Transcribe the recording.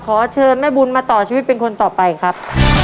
ขอเชิญแม่บุญมาต่อชีวิตเป็นคนต่อไปครับ